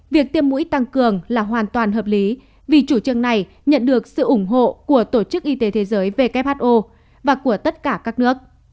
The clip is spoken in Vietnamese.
việc tiêm mũi tăng cường là hoàn toàn hợp lý vì chủ trương này nhận được sự ủng hộ của tổ chức y tế thế giới who và của tất cả các nước